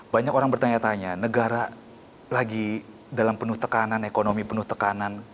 banyak orang bertanya tanya negara lagi dalam penuh tekanan ekonomi penuh tekanan